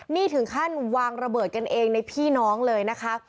นี่ถึงขั้นวางระเบิดกันเองในพี่น้องเลยนะคะ